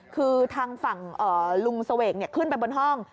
คือทางฝั่งลุงเสวกขึ้นไปบนห้อง